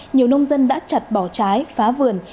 nhiều nông dân đã chặt bỏ trái phá vườn